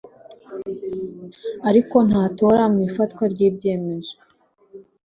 ariko ntatora mu ifatwa ry ibyemezo